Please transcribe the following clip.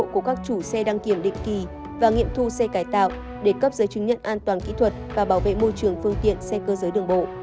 của các chủ xe đăng kiểm định kỳ và nghiệm thu xe cải tạo để cấp giấy chứng nhận an toàn kỹ thuật và bảo vệ môi trường phương tiện xe cơ giới đường bộ